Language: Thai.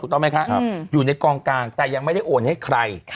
ต้องไหมคะอยู่ในกองกลางแต่ยังไม่ได้โอนให้ใคร